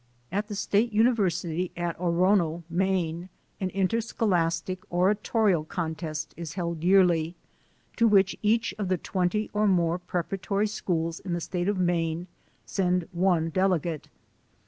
At the State University at Orono, Maine, an intcrscholastic oratorical contest is held yearly, to 172 THE SOUL OF AN IMMIGRANT which each of the twenty or more preparatory schools of the state of Maine send one delegate.